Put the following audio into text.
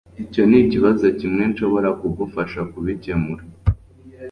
Icyo nikibazo kimwe nshobora kugufasha kubikemura.